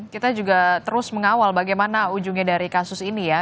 kita juga terus mengawal bagaimana ujungnya dari kasus ini ya